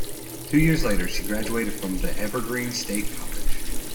Two years later, she graduated from The Evergreen State College.